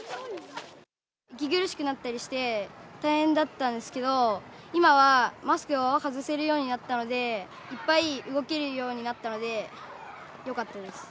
息苦しくなったりして、大変だったんですけど、今はマスクを外せるようになったので、いっぱい動けるようになったので、よかったです。